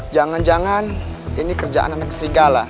jangan jangan ini kerjaan anak serigala